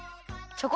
チョコ。